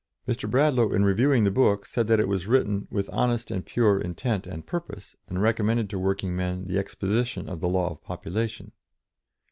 Mr. Bradlaugh, in reviewing the book, said that it was written "with honest and pure intent and purpose," and recommended to working men the exposition of the law of population.